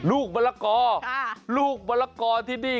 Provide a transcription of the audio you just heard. ลูกบรรละกอลูกบรรละกอที่นี่